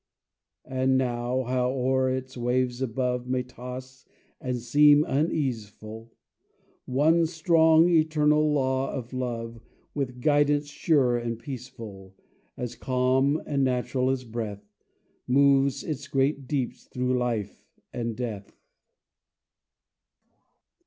And now, howe'er its waves above May toss and seem uneaseful, One strong, eternal law of Love, With guidance sure and peaceful, As calm and natural as breath, Moves its great deeps through life and death.